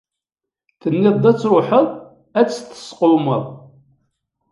Tenniḍ-d ad tṛuḥeḍ ad t-tesqewmeḍ.